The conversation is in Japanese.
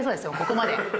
ここまで。